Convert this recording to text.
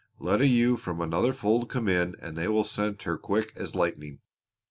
Let a ewe from another fold come in and they will scent her quick as lightning.